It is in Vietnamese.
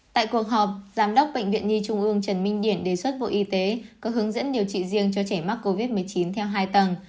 tại cuộc họp giám đốc bệnh viện nhi trung ương trần minh điển đề xuất bộ y tế có hướng dẫn điều trị riêng cho trẻ mắc covid một mươi chín theo hai tầng